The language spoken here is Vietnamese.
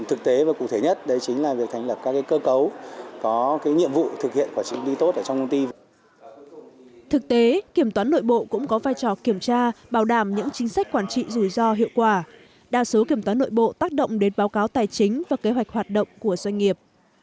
thực tế kiểm toán nội bộ cũng có vai trò kiểm tra bảo đảm những chính sách quản trị rủi ro hiệu quả đa số kiểm toán nội bộ tác động đến báo cáo tài chính và kế hoạch hoạt động của doanh nghiệp